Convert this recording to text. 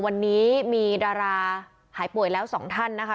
วันนี้มีดาราหายป่วยแล้วสองท่านนะคะ